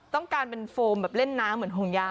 ต้องการเป็นโฟมแบบเล่นน้ำเหมือนห่วงยา